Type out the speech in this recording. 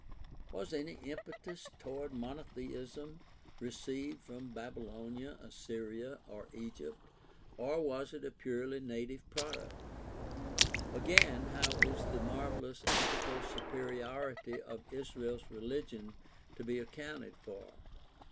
Was any impetus toward monotheism received from Baby lonia, Assyria, or Egypt, or was it a purely native product ? Again, how is the marvelous ethical superiority of Israel's religion to be accounted for?